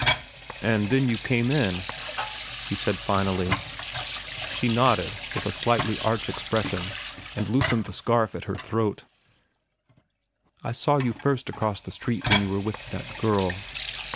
"And then you came in," he said finally. She nodded, with a slightly arch expression, and loosened the scarf at her throat. "I saw you first from across the street when you were with that girl."